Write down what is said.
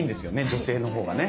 女性のほうがね。